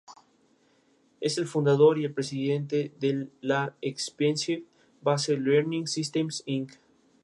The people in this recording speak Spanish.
Contribuyó el contexto nacional al libreto original en italiano de la ópera Aurora.